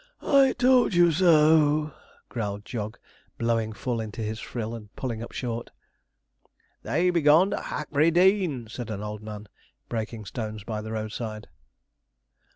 'I told you so (puff)!' growled Jog, blowing full into his frill, and pulling up short. 'They be gone to Hackberry Dean,' said an old man, breaking stones by the roadside.